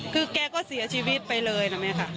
คือแกก็เสียชีวิตไปเลยนะแม่ค่ะ